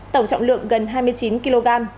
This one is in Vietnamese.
tổng trọng lượng gần hai mươi chín kg